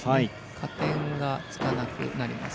加点がつかなくなります。